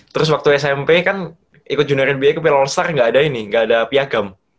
terus waktu smp kan ikut junior biaya ke piala star nggak ada ini gak ada piagam